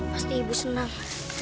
pasti ibu senang